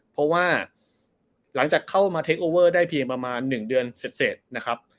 เพราะว่าหลังจากเข้ามาเทคโอเวอร์ได้เพียงประมาณ๑เดือนเสร็จนะครับ